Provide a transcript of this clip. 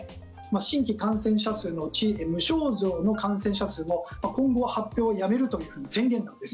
新規感染者数のうち無症状の感染者数も今後は発表をやめるというふうな宣言なんです。